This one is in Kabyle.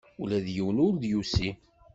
Ula yiwen ur d-yusi.